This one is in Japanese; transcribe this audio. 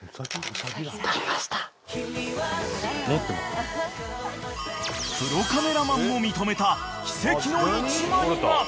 ［プロカメラマンも認めた奇跡の１枚が］